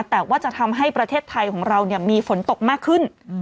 แต่ว่าจะทำให้ประเทศไทยของเรามีฝนตกมากขึ้น